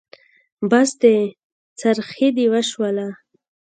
بس دی؛ څرخی دې وشوله.